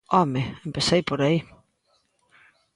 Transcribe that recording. ¡Home!, empecei por aí.